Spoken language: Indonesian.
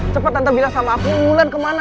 cepet tante bilang sama aku wulan kemana